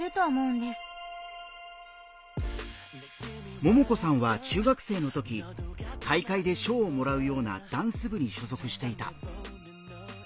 ももこさんは中学生のとき大会で賞をもらうようなダンス部に所属していた。